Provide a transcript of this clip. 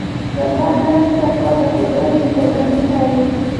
د باد نرم چپاو د قدرت مهرباني ښيي.